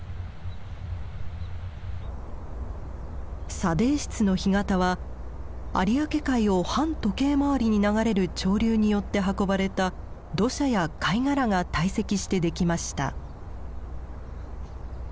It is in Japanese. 砂泥質の干潟は有明海を反時計回りに流れる潮流によって運ばれた土砂や貝殻が堆積してできました。